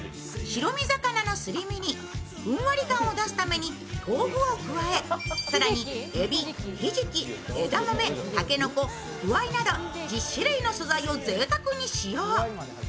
白身魚のすり身にふんわり感を出すために豆腐を加え更に、えび、ひじき、枝豆、竹の子、くわいなど１０種類の素材をぜいたくに使用。